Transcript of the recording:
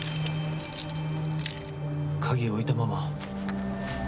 鍵置いたまま。